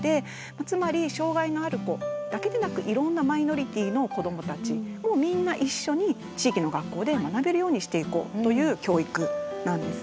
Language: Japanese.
つまり障害のある子だけでなくいろんなマイノリティーの子どもたちもみんな一緒に地域の学校で学べるようにしていこうという教育なんですね。